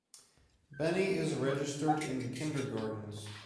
Beny is registered in the kindergartens.